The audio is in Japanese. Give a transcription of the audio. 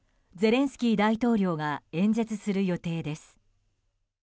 ゼレンスキー大統領が演説する予定です。